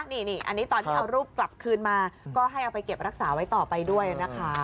นี่อันนี้ตอนที่เอารูปกลับคืนมาก็ให้เอาไปเก็บรักษาไว้ต่อไปด้วยนะคะ